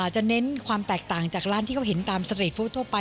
เน้นความแตกต่างจากร้านที่เขาเห็นตามสตรีทฟู้ดทั่วไป